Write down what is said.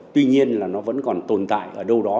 tuy nhiên là nó vẫn còn tồn tại ở đâu đó